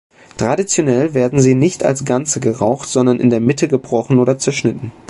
Traditionell werden sie nicht als Ganze geraucht, sondern in der Mitte gebrochen oder zerschnitten.